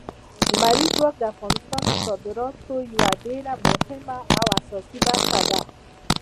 لمریز ځواک د افغانستان د صادراتو یوه ډېره مهمه او اساسي برخه ده.